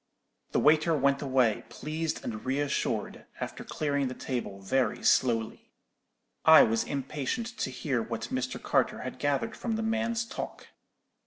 "The waiter went away, pleased and re assured, after clearing the table very slowly. I was impatient to hear what Mr. Carter had gathered from the man's talk.